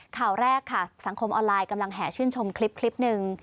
ข่าวแรกค่ะสังคมออนไลน์กำลังแห่ชื่นชมคลิปหนึ่ง